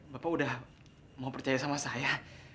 bapak udah mau percaya sama saya